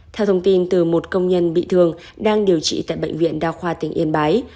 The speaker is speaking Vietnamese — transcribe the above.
theo thông tin từ một công nhân bị thương đang điều trị tại bệnh viện đa khoa tỉnh yên bái